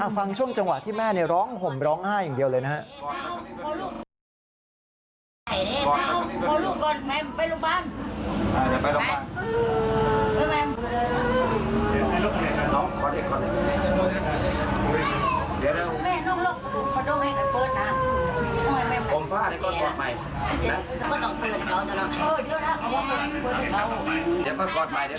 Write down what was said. ช่วงจังหวะที่แม่ร้องห่มร้องไห้อย่างเดียวเลยนะครับ